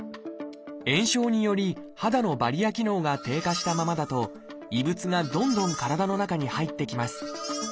炎症により肌のバリア機能が低下したままだと異物がどんどん体の中に入ってきます。